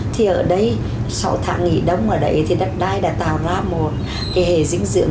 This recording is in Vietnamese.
thì ở đây sau tháng nghỉ đông ở đây thì đất đai đã tạo ra một kế hệ dính dưỡng